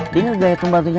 dengar gaya tumbangnya